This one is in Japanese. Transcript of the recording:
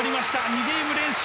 ２ゲーム連取。